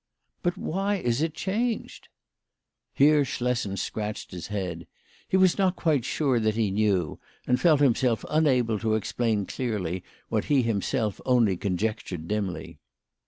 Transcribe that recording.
" But why is it changed ?" Here Schlessen scratched his head. He was not quite sure that he knew, and felt himself unable to explain clearly what he himself only conjectured dimly.